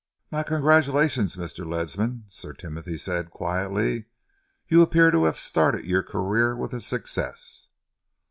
"My congratulations, Mr. Ledsam," Sir Timothy said quietly. "You appear to have started your career with a success."